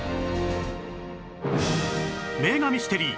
名画ミステリー